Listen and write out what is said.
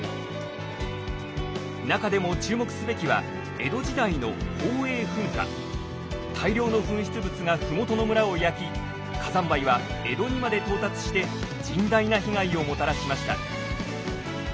中でも注目すべきは大量の噴出物が麓の村を焼き火山灰は江戸にまで到達して甚大な被害をもたらしました。